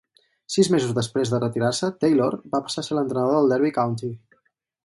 Sis mesos després de retirar-se, Taylor va passar a ser l'entrenador del Derby County.